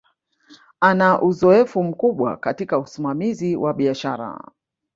Ana uzoefu mkubwa katika usimamizi wa biashara